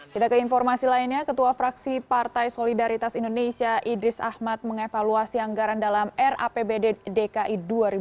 kita ke informasi lainnya ketua fraksi partai solidaritas indonesia idris ahmad mengevaluasi anggaran dalam rapbd dki dua ribu dua puluh